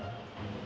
tadi saya denger